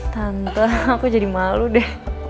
tante aku jadi malu deh